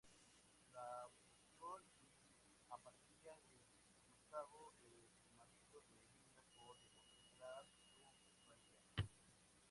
La obsesión y apatía de Gustavo, el marido de Emilia, por demostrar su valía.